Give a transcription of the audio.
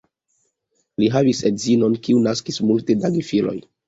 Li havis edzinon, kiu naskis multe da gefiloj.